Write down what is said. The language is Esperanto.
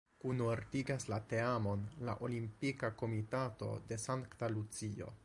Kunordigas la teamon la Olimpika Komitato de Sankta Lucio.